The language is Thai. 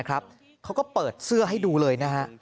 เขาก็เปิดเสื้อให้ดูเลยนะฮะ